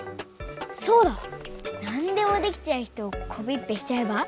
そうだなんでもできちゃう人をコピッペしちゃえば？